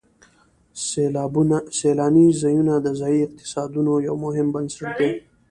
سیلاني ځایونه د ځایي اقتصادونو یو مهم بنسټ دی.